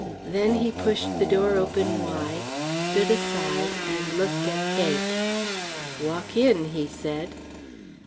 Then he pushed the door open wide, stood aside, and looked at Cake. "Walk in," he said.